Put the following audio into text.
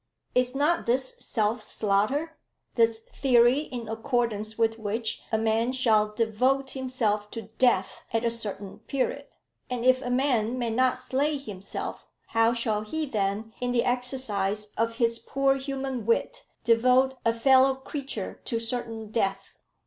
Is not this self slaughter, this theory in accordance with which a man shall devote himself to death at a certain period? And if a man may not slay himself, how shall he then, in the exercise of his poor human wit, devote a fellow creature to certain death?"